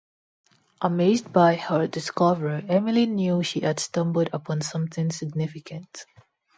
Amazed by her discovery, Emily knew she had stumbled upon something significant.